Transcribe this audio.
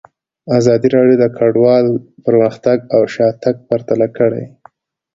ازادي راډیو د کډوال پرمختګ او شاتګ پرتله کړی.